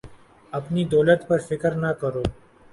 اپنی دولت پر فکر نہ کرو